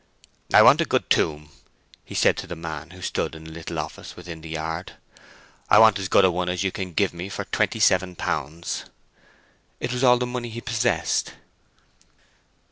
"I want a good tomb," he said to the man who stood in a little office within the yard. "I want as good a one as you can give me for twenty seven pounds." It was all the money he possessed.